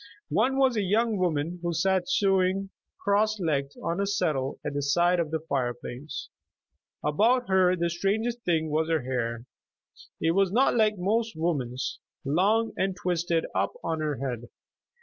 One was a young woman who sat sewing cross legged on a settle at the side of the fire place. About her the strangest thing was her hair. It was not like most women's, long and twisted up on her head.